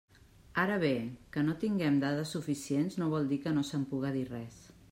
Ara bé, que no tinguem dades suficients no vol dir que no se'n puga dir res.